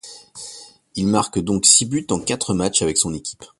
Il marque donc six buts en quatre matchs avec son équipe.